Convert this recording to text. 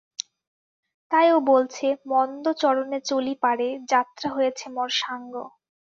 তাই ও বলছে– মন্দচরণে চলি পারে, যাত্রা হয়েছে মোর সাঙ্গ।